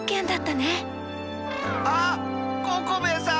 あっココベエさん！